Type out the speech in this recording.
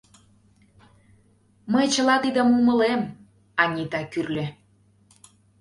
— Мый чыла тидым умылем, — Анита кӱрльӧ.